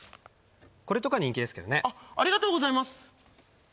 これとか人気ですけどねあっありがとうございます